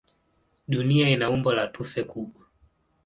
Dunia ina umbo la tufe kubwa.